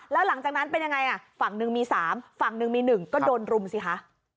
แล้วหลังจากนั้นเป็นยังไงฝั่งหนึ่งมี๓ฝั่งหนึ่งมี๑ก็โดนรุมสิคะ